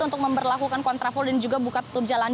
untuk memperlakukan kontraful dan juga buka tutup jalan